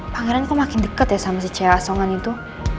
pangeran kok makin dekat ya sama si c asongan itu